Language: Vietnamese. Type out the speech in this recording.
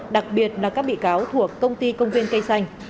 đặc biệt là các bị cáo thuộc công ty công viên cây xanh